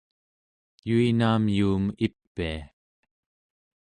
yuinaam yuum ipia